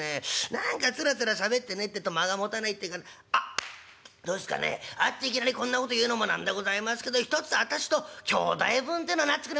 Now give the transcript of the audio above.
何かつらつらしゃべってねえってっと間がもたないっていうかあっどうっすかね会っていきなりこんなこと言うのも何でございますけどひとつあたしと兄弟分ってのなってくれませんか？」。